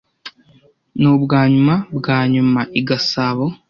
Nubwanyuma bwanyuma i Gasabo?